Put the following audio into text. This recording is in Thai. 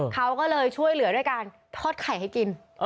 เขาก็เลยช่วยเหลือด้วยการทอดไข่ให้กิน